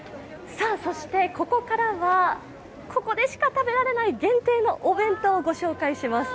そしてここからは、ここでしか食べられない限定のお弁当、ご紹介します。